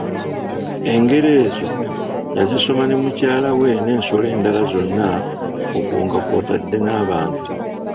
Engero ezo yazisoma ne mukyala we n'ensolo endala zonna okwo nga kw'otadde n'abantu.